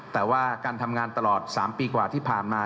แต่ว่าการทำงานตลอด๓ปีกว่าที่ผ่านมา